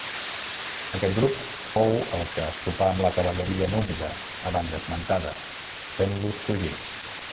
Aquest grup fou el que es topà amb la cavalleria númida abans esmentada, fent-los fugir.